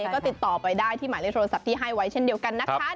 ก็ติดต่อไปได้ที่หมายเลขโทรศัพท์ที่ให้ไว้เช่นเดียวกันนะคะ